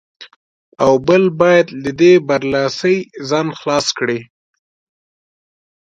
او بل باید له دې برلاسۍ ځان خلاص کړي.